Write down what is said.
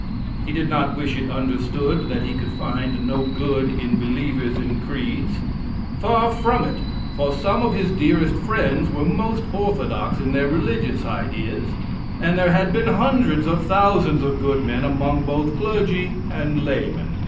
He did not wish it understood that he could find no good in believers in creeds; far from it, for some of his dearest friends were most orthodox in their religious ideas, and there had been hundreds of thousands of good men among both clergy and laymen.